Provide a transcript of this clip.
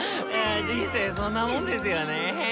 人生そんなもんですよねー！